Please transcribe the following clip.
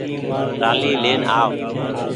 رآلي لين آئو۔